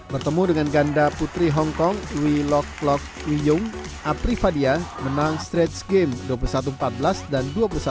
bertemu dengan ganda putri hongkong we lock lock we young apri fadia menang stretch game dua puluh satu empat belas dan